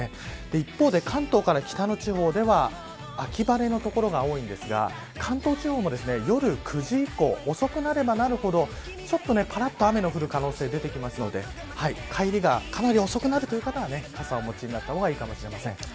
一方で関東から北の地方では秋晴れの所が多いんですが関東地方も夜９時以降遅くなればなるほどぱらっと雨が降る可能性が出てくるので帰りがかなり遅くなるという方は傘をお持ちになった方がいいかもしれません。